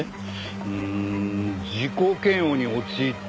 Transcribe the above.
うーん自己嫌悪に陥ってかも。